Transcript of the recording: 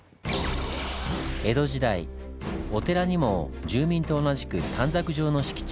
江戸時代お寺にも住民と同じく短冊状の敷地が与えられたんです。